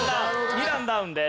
２段ダウンです。